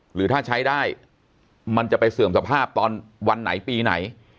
หรือถ้าใช้ได้มันจะไปเสื่อมสภาพตอนวันไหนปีไหน